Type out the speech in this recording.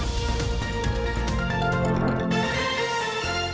สวัสดีค่ะ